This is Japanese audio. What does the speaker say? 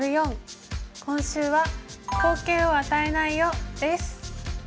今週は「好形は与えないよ」です。